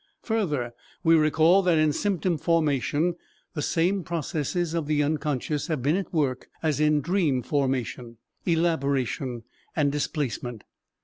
Further, we recall that in symptom formation the same processes of the unconscious have been at work as in dream formation elaboration and displacement.